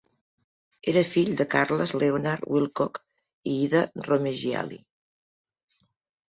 Era fill de Carles Leonard Wilcock i Ida Romegialli.